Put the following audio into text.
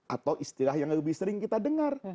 atau istilah yang lebih sering kita dengar